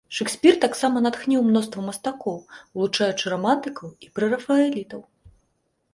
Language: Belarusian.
Шэкспір таксама натхніў мноства мастакоў, улучаючы рамантыкаў і прэрафаэлітаў.